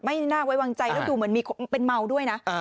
ไม่น่าไว้วางใจแล้วดูเหมือนมีเป็นเมาด้วยนะ